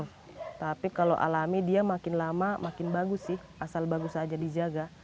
tapi kalau alami dia makin lama makin bagus sih asal bagus saja dijaga